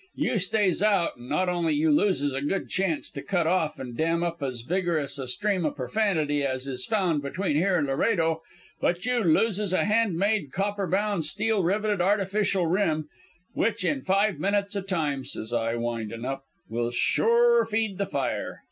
You stays out, an' not only you loses a good chanst to cut off and dam up as vigorous a stream o' profanity as is found between here and Laredo, but you loses a handmade, copper bound, steel riveted, artificial limb which in five minutes o' time,' says I, windin' up, 'will sure feed the fire.